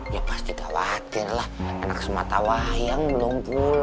ya pasti khawatir lah anak sematawayang belum pulang